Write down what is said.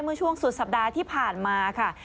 เมื่อช่วงสุดสัปดาห์ที่ผ่านมาค่ะ